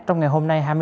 trong ngày hôm nay